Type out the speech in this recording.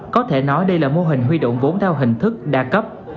có thể nói đây là mô hình huy động vốn theo hình thức đa cấp